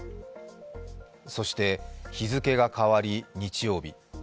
そして日付が変わり日曜日。